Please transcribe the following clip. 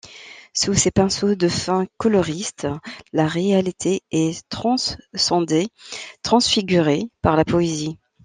Sous ses pinceaux de fin coloriste, la réalité est transcendée, transfigurée par la poésie.